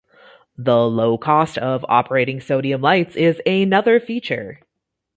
The low cost of operating sodium lights is another feature.